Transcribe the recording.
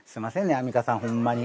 アンミカさんホンマに。